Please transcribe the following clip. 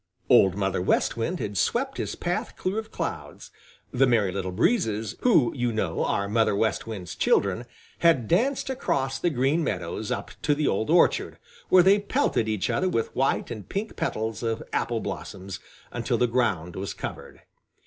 Old Mother West Wind had swept his path clear of clouds. The Merry Little Breezes, who, you know, are Mother West Wind's children, had danced across the Green Meadows up to the old orchard, where they pelted each other with white and pink petals of apple blossoms until the ground was covered.